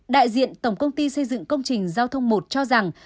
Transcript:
đại diện tổng công ty xây dựng công trình giao thông một cho rằng